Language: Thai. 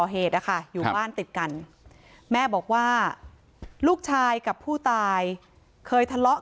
เหตุนะคะอยู่บ้านติดกันแม่บอกว่าลูกชายกับผู้ตายเคยทะเลาะ